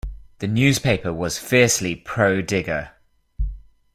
The newspaper was fiercely pro-digger.